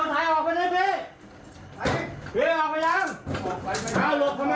สวัสดีครับทุกคน